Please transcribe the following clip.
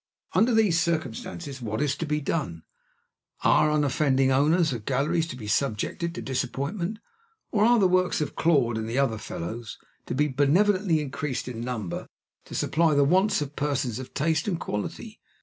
Under these circumstances, what is to be done? Are unoffending owners of galleries to be subjected to disappointment? Or are the works of Claude, and the other fellows, to be benevolently increased in number, to supply the wants of persons of taste and quality?